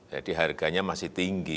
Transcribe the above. jadi harganya masih tinggi